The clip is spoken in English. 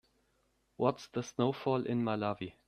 What's the snowfall in Malawi?